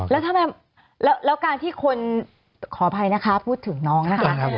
แล้วทำไมแล้วการที่คนขออภัยนะคะพูดถึงน้องนะคะ